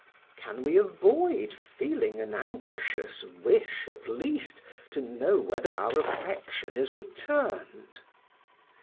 Can we avoid feeling an anxious wish at least to know whether our affection is returned?